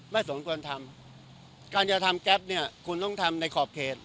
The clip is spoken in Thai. สมควรทำการจะทำแก๊ปเนี่ยคุณต้องทำในขอบเขต